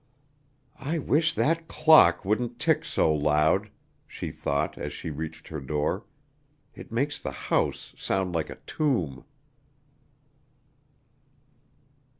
"I wish that clock wouldn't tick so loud," she thought as she reached her door, "it makes the house sound like a tomb."